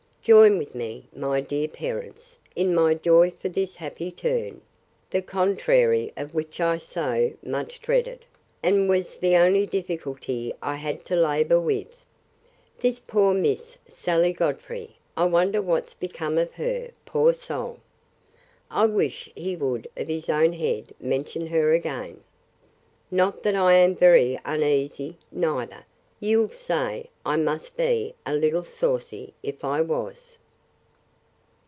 Join with me, my dear parents, in my joy for this happy turn; the contrary of which I so much dreaded, and was the only difficulty I had to labour with. This poor Miss Sally Godfrey, I wonder what's become of her, poor soul! I wish he would, of his own head, mention her again.—Not that I am very uneasy, neither.—You'll say, I must be a little saucy, if I was.